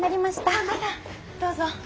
どうぞ。